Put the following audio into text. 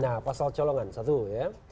nah pasal colongan satu ya